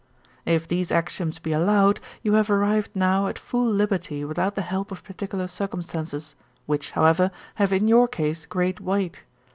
'If these axioms be allowed, you have arrived now at full liberty without the help of particular circumstances, which, however, have in your case great weight.